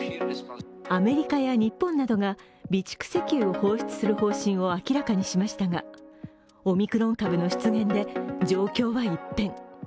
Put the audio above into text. アメリカや日本などが備蓄石油を放出する方針を明らかにしましたがオミクロン株の出現で状況は一変。